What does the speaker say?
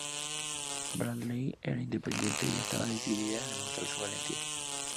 Bradley era independiente y estaba decidida a demostrar su valentía.